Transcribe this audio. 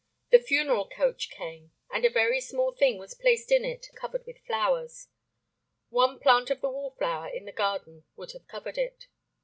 The funeral coach came, and a very small thing was placed in it and covered with flowers. One plant of the wallflower in the garden would have covered it.